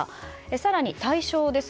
更に、対象です。